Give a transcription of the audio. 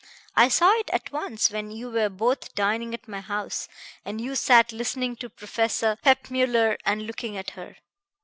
"I saw it at once when you were both dining at my house, and you sat listening to Professor Peppmüller and looking at her.